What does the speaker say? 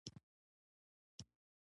غرونه درد داګاهي تر ويښته سپک کا